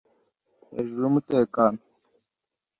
Hejuru y’umutekano